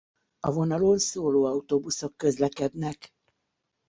A vonalon szóló autóbuszok közlekednek.